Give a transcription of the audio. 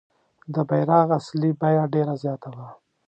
د بیرغ اصلي بیه ډېره زیاته وه.